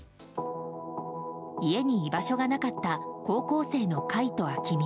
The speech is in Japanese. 家に居場所がなかった高校生の櫂と暁海。